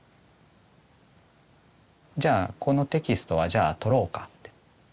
じゃあこのテキストはじゃあ取ろうかって。